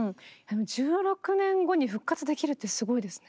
１６年後に復活できるってすごいですね。